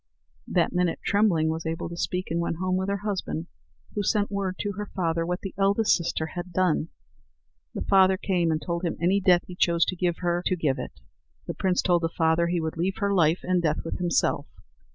That minute Trembling was able to speak, and went home with her husband, who sent word to her father what the eldest sister had done. The father came and told him any death he chose to give her to give it. The prince told the father he would leave her life and death with himself.